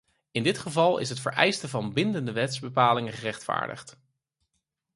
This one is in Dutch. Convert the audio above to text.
In dit geval is het vereiste van bindende wetsbepalingen gerechtvaardigd.